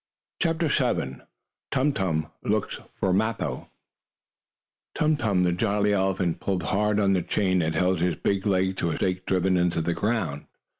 CHAPTER VII TUM TUM LOOKS FOR MAPPO Tum Tum, the jolly elephant, pulled hard on the chain that held his big leg fast to a stake driven into the ground.